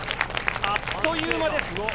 あっという間です。